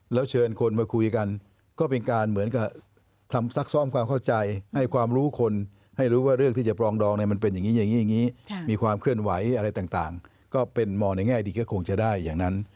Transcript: แล้วเชิญคนมาคุยกันก็เป็นการเหมือนกับทำซักซ่อมความเข้าใจให้ความรู้คนให้รู้ว่าเรื่องที่จะปรองดองเนี่ยมันเป็นอย่างนี้อย่างนี้มีความเคลื่อนไหวอะไรต่างก็เป็นมองในแง่ดีก็คงจะได้อย่างนั้น